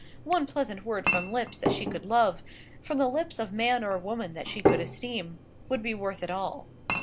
One pleasant word from lips that she could love, from the lips of man or woman that she could esteem, would be worth it all.